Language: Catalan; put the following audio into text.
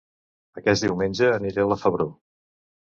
Aquest diumenge aniré a La Febró